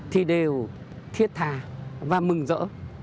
thì đều thiết thà và mừng rỡ